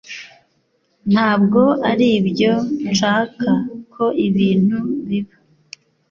Ntabwo aribyo nshaka ko ibintu biba